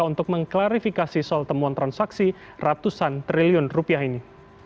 untuk mengklarifikasi soal temuan transaksi ratusan triliun rupiah ini